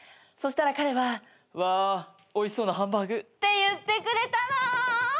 そしたら彼は「わおいしそうなハンバーグ」って言ってくれたの。